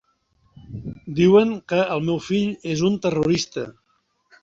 Diuen que el meu fill és un terrorista.